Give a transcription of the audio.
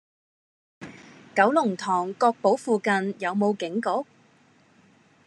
九龍塘珏堡附近有無警局？